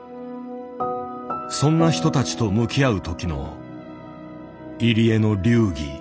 そんな人たちと向き合う時の入江の流儀。